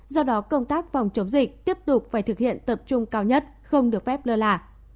do đó công tác phòng chống dịch tiếp tục phải thực hiện tập trung cao nhất không được phép lơ là